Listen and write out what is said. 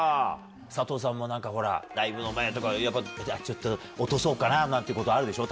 佐藤さんもライブの前とか「ちょっと落とそうかな」なんてことあるでしょ？